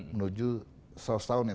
menuju seratus tahun indonesia